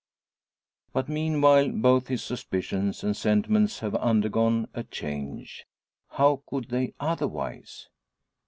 But, meanwhile, both his suspicions and sentiments have undergone a change. How could they otherwise?